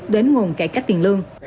đến nguồn cải cách tiền lương